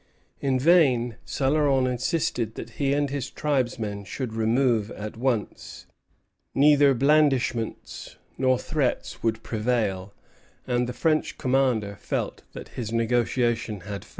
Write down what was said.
In vain Céloron insisted that he and his tribesmen should remove at once. Neither blandishments nor threats would prevail, and the French commander felt that his negotiation had failed.